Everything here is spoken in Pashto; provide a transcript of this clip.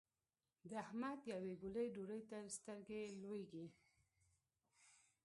د احمد يوې ګولې ډوډۍ ته سترګې لوېږي.